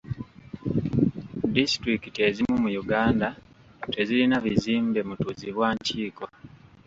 Disitulikiti ezimu mu Uganda tezirina bizimbe mutuuzibwa nkiiko.